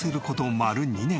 丸２年。